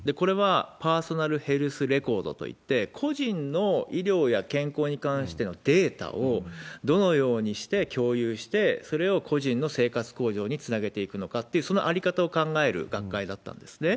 パーソナル・ヘルス・レコードといって、個人の医療や健康に関してのデータをどのようにして共有して、それを個人の生活向上につなげていくのかっていう、その在り方を考える学会だったんですね。